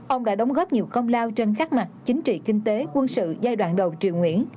ông đã đóng góp nhiều công lao trên các mặt chính trị kinh tế quân sự giai đoạn đầu triều nguyễn